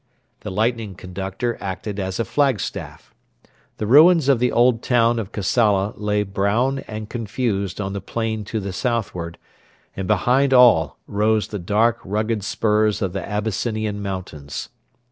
The lightning conductor acted as a flagstaff. The ruins of the old town of Kassala lay brown and confused on the plain to the southward, and behind all rose the dark rugged spurs of the Abyssinian mountains.